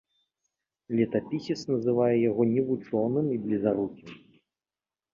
Летапісец называе яго невучоным і блізарукім.